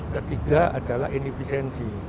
ketiga adalah efisiensi